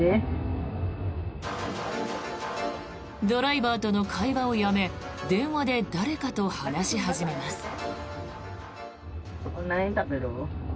ドライバーとの会話をやめ電話で誰かと話し始めます。